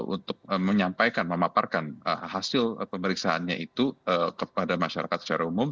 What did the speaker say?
untuk menyampaikan memaparkan hasil pemeriksaannya itu kepada masyarakat secara umum